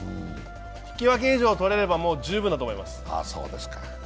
引き分け以上とれればもう十分だと思います。